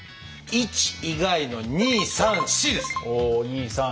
１以外の２３４です。